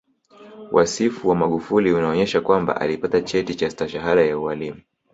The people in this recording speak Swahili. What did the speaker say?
Wasifu wa Magufuli unaonyesha kwamba alipata cheti cha Stashahada ya ualimu